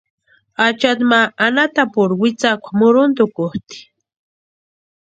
Achaati ma anhatapurhu witsakwa muruntukutʼi.